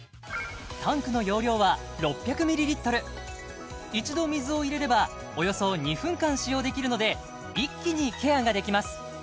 タンクの容量は６００ミリリットル一度水を入れればおよそ２分間使用できるので一気にケアができます